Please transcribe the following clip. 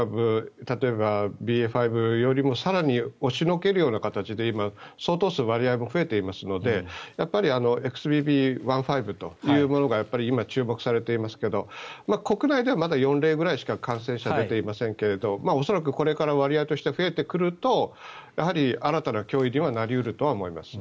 例えば、ＢＡ．５よりも更に押しのけるような形で今、相当数割合も増えていますのでやっぱりＸＢＢ．１．５というものが今、注目されていますが国内ではまだ４例くらいしか感染者が出ていませんが恐らくこれから割合として増えてくると新たな脅威になり得ると思います。